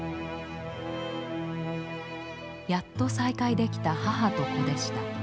やっと再会できた母と子でした。